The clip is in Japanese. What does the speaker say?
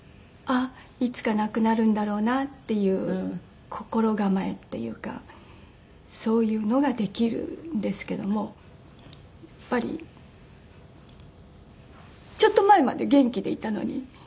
あいつか亡くなるんだろうなっていう心構えっていうかそういうのができるんですけどもやっぱりちょっと前まで元気でいたのに死んでしまうなんて。